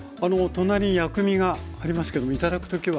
隣に薬味がありますけどもいただく時は。